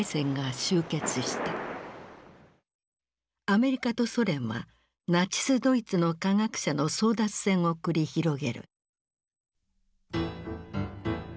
アメリカとソ連はナチスドイツの科学者の争奪戦を繰り広げる。